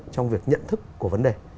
trong việc nhận thức của vấn đề